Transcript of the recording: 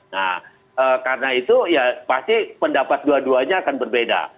nah karena itu ya pasti pendapat dua duanya akan berbeda